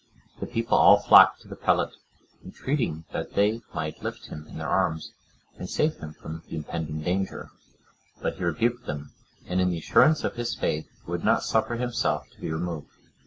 The people all flocked to the prelate, entreating that they might lift him in their arms, and save him from the impending danger. But he rebuked them, and in the assurance of his faith, would not suffer himself to be removed.